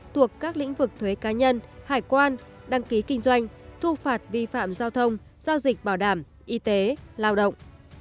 thuộc các lĩnh vực thuế cá nhân hải quan đăng ký kinh doanh thu phạt vi phạm giao thông giao dịch bảo đảm y tế lao động